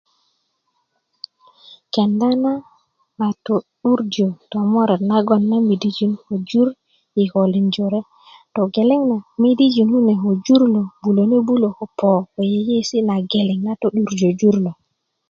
kenda na a tö'durjö tomoret na midijin ko jur i kikölin jöre togeleŋ na midijin kune ko jur bulöne bulö po koyeiyesi na geleŋ na to'durjö jur lo